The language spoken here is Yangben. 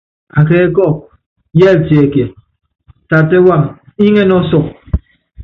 Akɛkɔkɔ, yɛ́litiɛkíe, tatɛ́ wam, iŋɛ́nɛ́ ɔsɔkɔ.